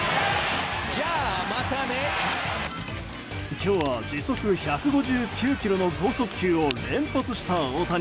今日は時速１５９キロの剛速球を連発した大谷。